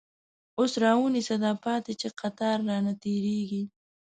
اوس را ونیسه دا پاتی، چه قطار رانه تیریږی